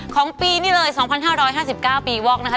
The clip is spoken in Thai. ของปีนี้เลย๒๕๕๙ปีวอกนะคะ